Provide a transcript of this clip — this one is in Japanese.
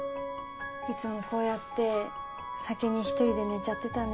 いつもこうやって先に１人で寝ちゃってたね